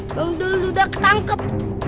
bang dulo udah ketangkep